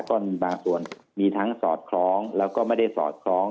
ต้นบางส่วนมีทั้งสอดคล้องแล้วก็ไม่ได้สอดคล้อง